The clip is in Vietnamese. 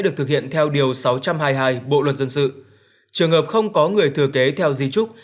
được thực hiện theo điều sáu trăm hai mươi hai bộ luật dân sự trường hợp không có người thừa kế theo di trúc